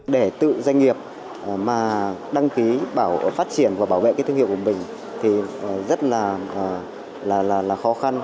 để tự doanh nghiệp mà đăng ký phát triển và bảo vệ cái thương hiệu của mình thì rất là khó khăn